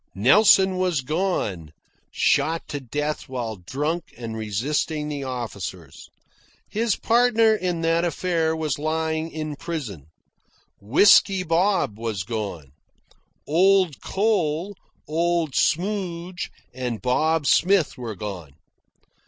Nelson was gone shot to death while drunk and resisting the officers. His partner in that affair was lying in prison. Whisky Bob was gone. Old Cole, Old Smoudge, and Bob Smith were gone.